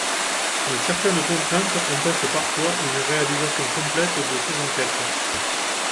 Mais certaines contraintes empêchent parfois une réalisation complète de ces enquêtes.